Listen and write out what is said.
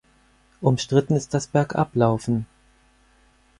Umstritten ist das Bergab-Laufen.